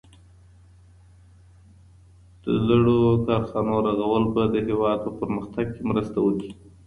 د زړو کارخانو رغول به د هیواد په پرمختګ کي مرسته وکړي.